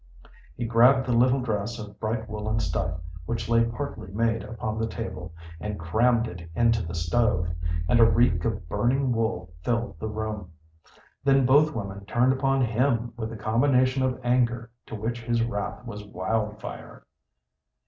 He grabbed the little dress of bright woollen stuff, which lay partly made upon the table, and crammed it into the stove, and a reek of burning wool filled the room. Then both women turned upon him with a combination of anger to which his wrath was wildfire.